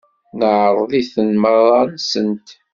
Neεreḍ-itent merra-nsent.